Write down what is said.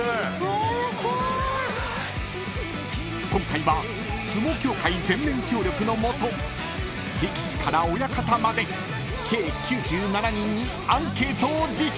［今回は相撲協会全面協力のもと力士から親方まで計９７人にアンケートを実施］